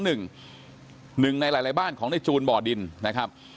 ๑ในหลายบ้านของนายจูนบ่อดินนะครับ